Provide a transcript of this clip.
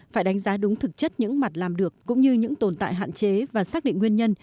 phải đánh giá đúng thực chất những mặt làm được cũng như những tồn tại hạn chế và xác định nguyên nhân